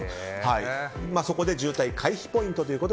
そこで渋滞回避ポイント。